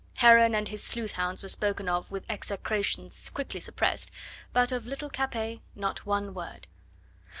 Heron and his sleuth hounds were spoken of with execrations quickly suppressed, but of little Capet not one word.